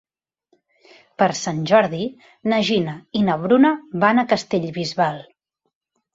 Per Sant Jordi na Gina i na Bruna van a Castellbisbal.